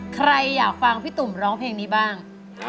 ใครอยากฟังพี่ตุ่มร้องเพลงนี้บ้าง